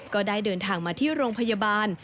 ก็ได้เดินทางมาที่โรงพยาบาล